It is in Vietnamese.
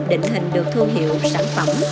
định hình được thương hiệu sản phẩm